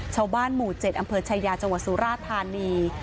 ชาวบ้านหมู่๗อำเภอชายาจังหวัดสุราธานี